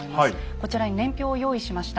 こちらに年表を用意しました。